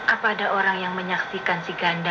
apa ada orang yang menyaksikan si ganda